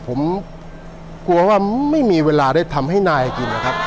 ผมกลัวว่าไม่มีเวลาได้ทำให้นายกินนะครับ